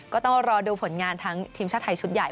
ก็ต้องรอดูผลงานทั้งทีมชาติไทยชุดใหญ่